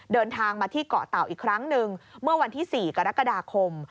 เดินทางมาที่เกาะเต่าอีกครั้งหนึ่งเมื่อวันที่๔กรกฎาคม